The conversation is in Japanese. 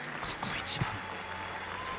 ここ一番。